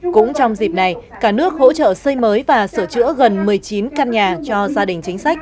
cũng trong dịp này cả nước hỗ trợ xây mới và sửa chữa gần một mươi chín căn nhà cho gia đình chính sách